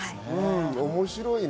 面白いね。